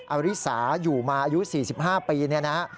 อริสาอยู่มาอายุ๔๕ปีเนี่ยนะฮะ